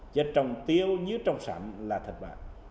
chất trồng tiêu như trồng sẵn là thật bạc